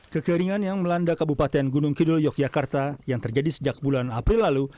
kekeringan yang melanda kabupaten gunung kidul yogyakarta yang terjadi sejak bulan april lalu